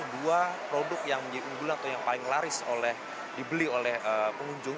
dua produk yang menjadi unggulan atau yang paling laris dibeli oleh pengunjung